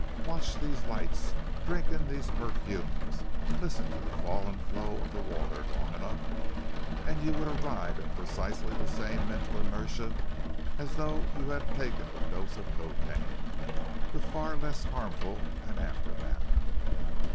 Watch these lights, drink in these perfumes, listen to the fall and flow of the water long enough, and you would arrive at precisely the same mental inertia as though you had taken a dose of cocaine, with far less harmful an aftermath."